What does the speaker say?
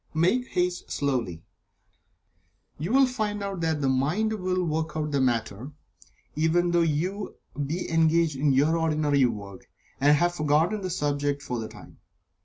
Make haste slowly. You will find that the mind will work out the matter, even though you be engaged in your ordinary work, and have forgotten the subject for the time.